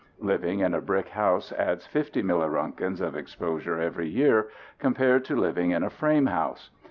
Living in a brick house adds 50 milliroentgens of exposure every year compared to living in a frame house.